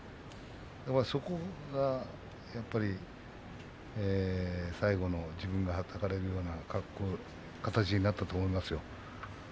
そこがやっぱり最後の自分がはたかれるような形になったと思いますよ。